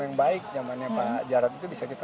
yang baik jamannya pak jarut itu bisa kita